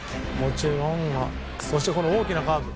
そしてこの大きなカーブ。